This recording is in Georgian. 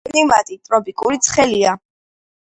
კლიმატი ტროპიკული ცხელია.